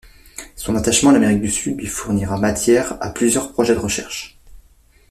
Son attachement à l'Amérique du Sud lui fournira matière à plusieurs projets de recherche.